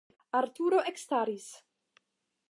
Arturo ekstaris.